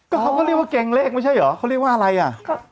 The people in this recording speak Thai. เขาก็เรียกว่าเกงเลขไม่ใช่เหรอเขาเรียกว่าอะไรอ่ะ